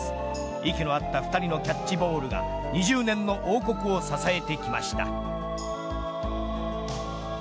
息の合った２人のキャッチボールが２０年の王国を支えてきました。